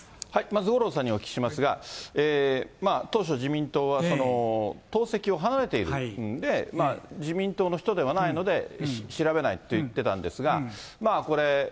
まず五郎さんにお聞きしますが、当初、自民党は、党籍を離れているんで、自民党の人ではないので、調べないと言ってたんですが、これ、